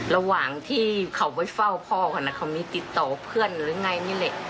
ระหว่างที่เขาไปเฝ้าพ่อเขามีติดต่อเพื่อนหรืออย่างไรนี่เลย